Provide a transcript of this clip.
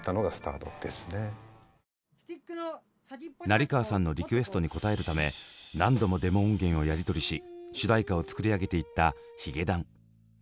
成河さんのリクエストに応えるため何度もデモ音源をやり取りし主題歌を作り上げていったヒゲダン。